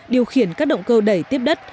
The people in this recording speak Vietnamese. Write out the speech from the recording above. điều khiển các động cơ đầy tiếp đất